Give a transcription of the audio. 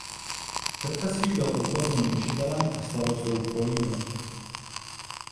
Profesí byl odborným učitelem a starostou v Kolíně.